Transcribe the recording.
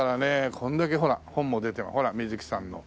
これだけほら本も出てる水木さんの。